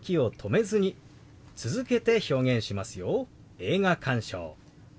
「映画鑑賞」。